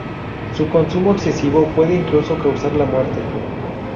Su consumo excesivo puede, incluso, causar la muerte.